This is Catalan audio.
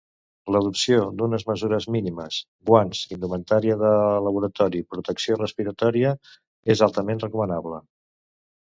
L’adopció d’unes mesures mínimes; guants, indumentària de laboratori, protecció respiratòria, és altament recomanable.